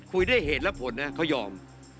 คุยด้วยเหตุและผลนะเขายอม